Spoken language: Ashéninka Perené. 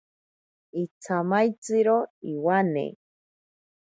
Itsamaitziro iwane.